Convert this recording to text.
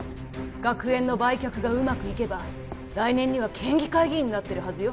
学園の売却がうまくいけば来年には県議会議員になってるはずよ